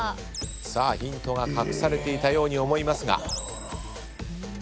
ヒントが隠されていたように思いますが。